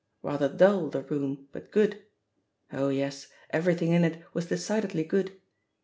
Rather dull, the room, but good; oh yes, everything in it was decidedly good.